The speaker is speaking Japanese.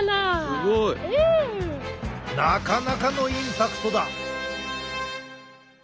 すごい。なかなかのインパクトだ。